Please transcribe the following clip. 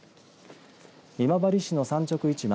今治市の産直市場